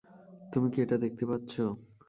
তুমি কি এটা দেখতে পাচ্ছো?